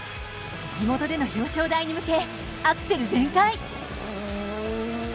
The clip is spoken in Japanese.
地元での表彰台に向けアクセル全開！